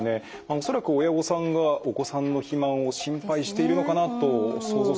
恐らく親御さんがお子さんの肥満を心配しているのかなと想像するんですがいかがでしょうか？